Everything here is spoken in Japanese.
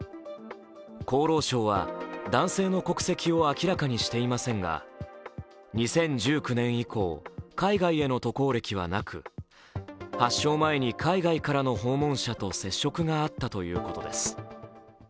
厚労省は男性の国籍を明らかにしていませんが２０１９年以降、海外への渡航歴はなく発症前に海外からの訪問者と接触があったということです。